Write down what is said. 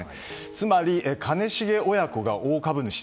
つまり、兼重親子が大株主。